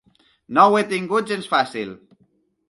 No ho he tingut gens fàcil.